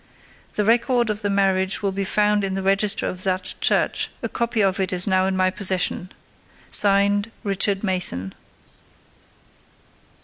The record of the marriage will be found in the register of that church—a copy of it is now in my possession. Signed, Richard Mason.